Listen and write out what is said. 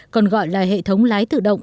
còn gọi là hệ thống lái tự động